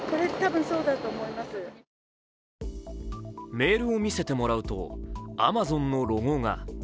メールを見せてもらうとアマゾンのロゴが。